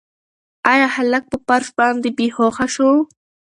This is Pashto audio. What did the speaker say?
ایا هلک په فرش باندې بې هوښه شو؟